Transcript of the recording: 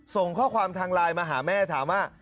ส่งข้อความทางไลน์มาหาแม่ถามว่า